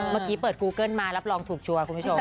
เมื่อกี้เปิดกูเกิ้ลมารับรองถูกชัวร์คุณผู้ชม